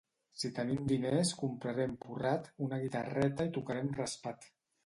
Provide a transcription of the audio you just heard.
Si tenim diners comprarem porrat, una guitarreta i tocarem raspat.